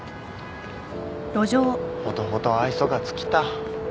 ほとほと愛想が尽きた。